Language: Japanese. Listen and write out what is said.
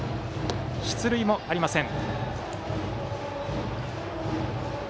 出塁もありません。